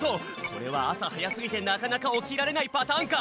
これはあさはやすぎてなかなかおきられないパターンか？